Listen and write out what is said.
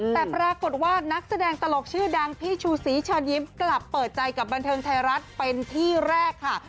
แต่ปรากฏว่านักแสดงตลกชื่อดังพี่ชูศรีเชิญยิ้มกลับเปิดใจกับบันเทิงไทยรัฐเป็นที่แรกค่ะ